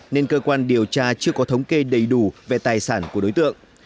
nên cơ quan điều tra chưa có thống kê đầy đủ về tài sản của đối tượng